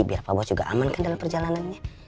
biar pak bos juga aman kan dalam perjalanannya